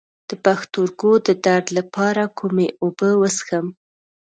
د پښتورګو د درد لپاره کومې اوبه وڅښم؟